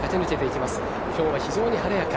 きょうは非常に晴れやか。